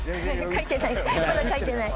書いてない。